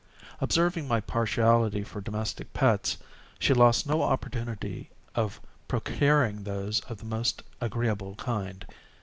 Observing my partiality for domestic pets, she lost no opportunity of procuring those of the most agreeable kind.